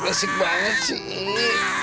masih banget sih